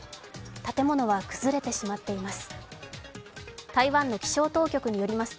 建物は崩れてしまっています。